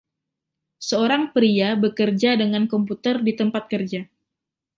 Seorang pria bekerja dengan komputer di tempat kerja.